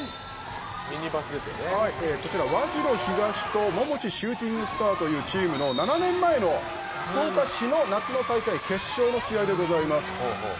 こちら和白東と百道シューティングスターズというチームの７年前の福岡市の決勝の試合です。